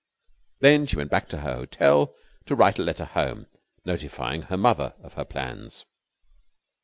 Then she went back to her hotel to write a letter home, notifying her mother of her plans.